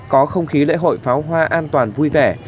có không khí lễ hội pháo hoa an toàn vui vẻ